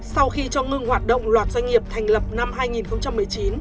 sau khi cho ngưng hoạt động loạt doanh nghiệp thành lập năm hai nghìn một mươi chín